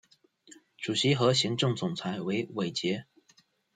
主席和行政总裁为韦杰。